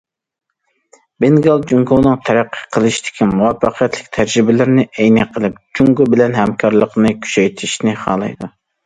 بېنگال جۇڭگونىڭ تەرەققىي قىلىشتىكى مۇۋەپپەقىيەتلىك تەجرىبىلىرىنى ئەينەك قىلىپ، جۇڭگو بىلەن ھەمكارلىقنى كۈچەيتىشنى خالايدۇ.